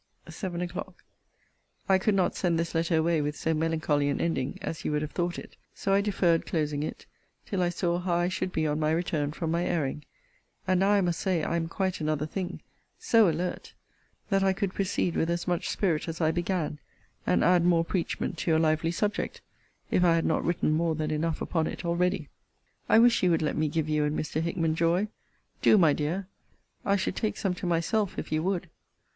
SEVEN O'CLOCK. I could not send this letter away with so melancholy an ending, as you would have thought it. So I deferred closing it, till I saw how I should be on my return from my airing: and now I must say I am quite another thing: so alert! that I could proceed with as much spirit as I began, and add more preachment to your lively subject, if I had not written more than enough upon it already. I wish you would let me give you and Mr. Hickman joy. Do, my dear. I should take some to myself, if you would.